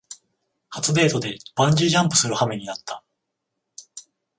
初デートでバンジージャンプするはめになった